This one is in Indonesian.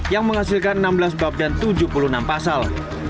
yang menghasilkan enam belas bab dan tujuh puluh enam pasal